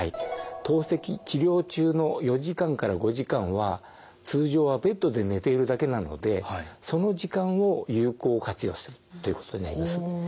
透析治療中の４時間から５時間は通常はベッドで寝ているだけなのでその時間を有効活用するということになります。